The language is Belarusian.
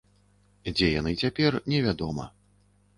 Дзе яны цяпер, невядома.